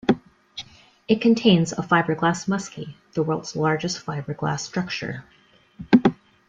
It contains a fiberglass musky, the world's largest fiberglass structure.